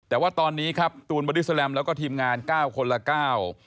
แต่ว่าตอนนี้ครับตูนเบอร์ดี้แซลมแล้วก็ทีมงาน๙คนละ๙